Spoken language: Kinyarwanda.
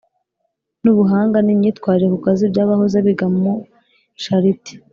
N ubuhanga n imyitwarire ku kazi by abahoze biga muri shariti